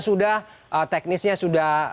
sudah teknisnya sudah